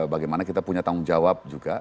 bagaimana kita punya tanggung jawab juga